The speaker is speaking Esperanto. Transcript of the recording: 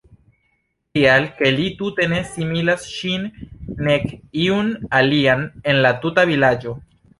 Tial, ke li tute ne similas ŝin, nek iun alian en la tuta vilaĝo.